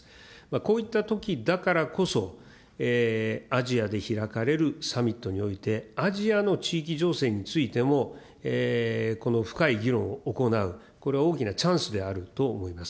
こういったときだからこそ、アジアで開かれるサミットにおいて、アジアの地域情勢についても、深い議論を行う、これは大きなチャンスであると思います。